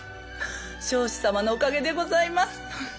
彰子様のおかげでございます。